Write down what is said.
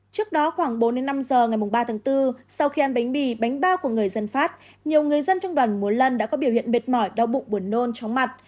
trước đó khoảng bốn năm giờ ngày ba bốn sau khi ăn bánh bì bánh bao của người dân pháp nhiều người dân trong đoàn mùa lân đã có biểu hiện mệt mỏi đau bụng buồn nôn chóng mặt